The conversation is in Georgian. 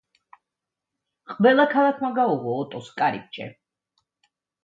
ყველა ქალაქმა გაუღო ოტოს კარიბჭე.